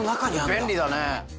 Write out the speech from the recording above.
便利だね。